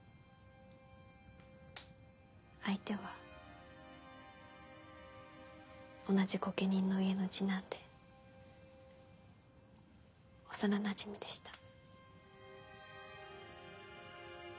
相手は同じ御家人の家の次男で幼なじみでした。